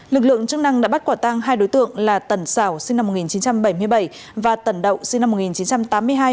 lực lượng chức năng đã bắt quả tang hai đối tượng là tần xảo sinh năm một nghìn chín trăm bảy mươi bảy và tần đậu sinh năm một nghìn chín trăm tám mươi hai